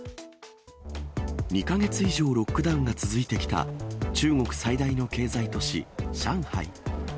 ２か月以上ロックダウンが続いてきた、中国最大の経済都市、上海。